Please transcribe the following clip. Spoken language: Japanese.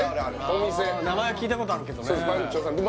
お店名前は聞いたことあるけどね